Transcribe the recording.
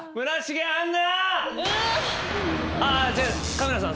カメラさん